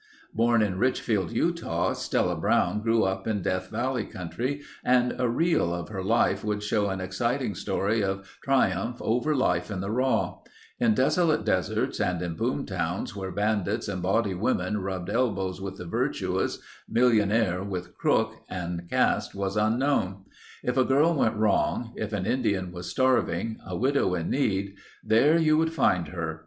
Born in Richfield, Utah, Stella Brown grew up in Death Valley country and a reel of her life would show an exciting story of triumph over life in the raw; in desolate deserts and in boom towns where bandits and bawdy women rubbed elbows with the virtuous, millionaire with crook, and caste was unknown. If a girl went wrong; if an Indian was starving; a widow in need—there you would find her.